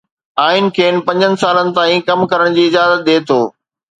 آئين کين پنجن سالن تائين ڪم ڪرڻ جي اجازت ڏئي ٿو.